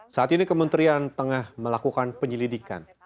saat ini kementerian tengah melakukan penyelidikan